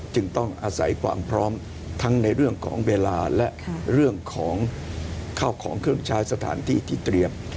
จึงต้องอาศัยความพร้อมทั้งในเรื่องของเวลาและเรื่องของข้าวของเครื่องใช้สถานที่ที่เตรียม